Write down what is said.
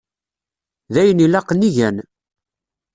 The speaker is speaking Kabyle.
D ayen ilaqen i gan.